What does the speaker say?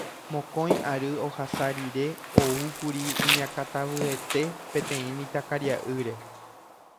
Mokõi ary ohasa rire oúkuri iñakãtavyete peteĩ mitãkaria'ýre.